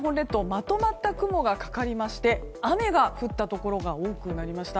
まとまった雲がかかりまして雨が降ったところが多くなりました。